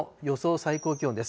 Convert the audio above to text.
最高気温です。